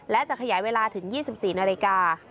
และจะขยายเวลาถึง๒๔นาฬิกา